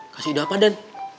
kasih ide apa den